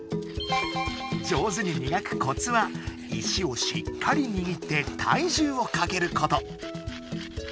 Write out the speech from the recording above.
上手に磨くコツは石をしっかりにぎって体重をかけること。